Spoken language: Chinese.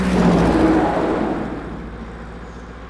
栖息在珊瑚茂密的礁湖。